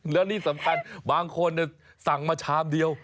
แล้วที่สำคัญบางคนสั่งมาชามเดียว